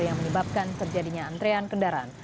yang menyebabkan terjadinya antrean kendaraan